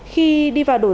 khi đi vào đổ xác